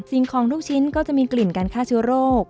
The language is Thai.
สิ่งของลูกชิ้นก็จะมีกลิ่นการฆ่าเชื้อโรค